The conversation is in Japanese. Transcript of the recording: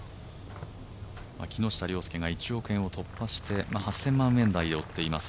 木下稜介が１億円を突破して８０００万円台を追っています。